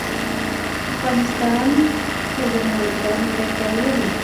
افغانستان په زمرد باندې تکیه لري.